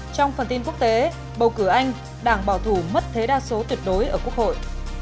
trong phần tin quốc tế bầu cử anh đảng bảo thủ mất thế đa số tuyệt đối ở quốc hội